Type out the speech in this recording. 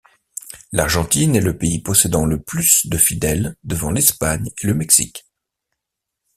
L'Argentine est le pays possédant le plus de fidèles devant l'Espagne et le Mexique.